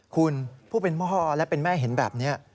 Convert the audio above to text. คุณผู้เป็นพ่อและเป็นแม่เห็นแบบนี้